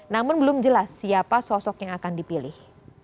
namun belum jelas siapa sosok yang akan dipilih